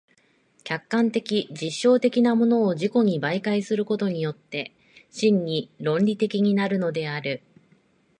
客観的実証的なものを自己に媒介することによって真に論理的になるのである。